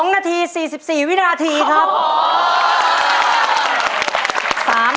๒นาที๔๔วินาทีครับ